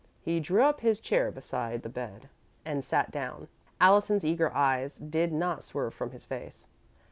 He drew up his chair beside the bed and sat down. Allison's eager eyes did not swerve from his face.